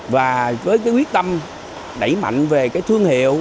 và với cái quyết tâm đẩy mạnh về cái thương hiệu